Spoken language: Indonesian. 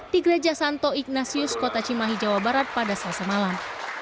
di gereja santo ignasius kota cimahi jawa barat pada selasa malam